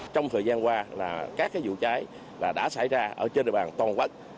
trong thời gian qua là các cái vụ cháy đã xảy ra ở trên đời bàn toàn quốc